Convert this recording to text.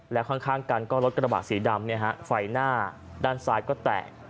แล้วข้างกันก็รถกระบะสีดำไฟหน้าด้านซ้ายก็แตก